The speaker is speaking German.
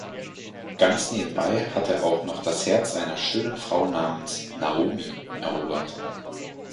Ganz nebenbei hat er auch noch das Herz einer schönen Frau namens Naomi erobert.